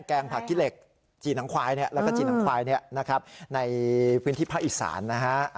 แกงผักขี้เหล็กจีนหนังควายแล้วก็จีนหนังควายในพื้นที่ภาคอีสานนะฮะ